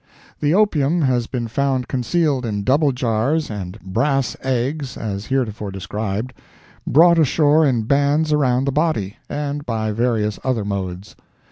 The opium has been found concealed in double jars and brass eggs, as heretofore described, brought ashore in bands around the body, and by various other modes.